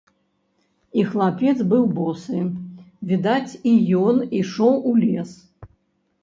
І хлапец быў босы, відаць, і ён ішоў у лес.